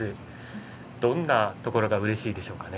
どんなところがうれしいですか？